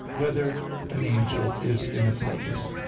1] Whether an Angel Is in a Place?